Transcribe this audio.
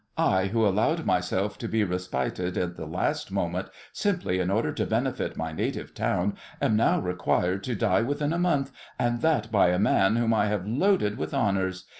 I, who allowed myself to be respited at the last moment, simply in order to benefit my native town, am now required to die within a month, and that by a man whom I have loaded with honours!